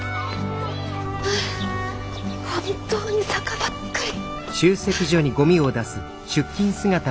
はあ本当に坂ばっかり！